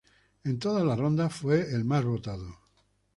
En todas las rondas fue el más votado.